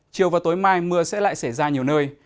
chiều và tối mai mưa sẽ lại xảy ra nhiều nơi